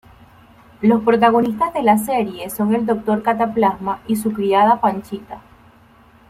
Los protagonistas de la serie son el doctor Cataplasma y su criada Panchita.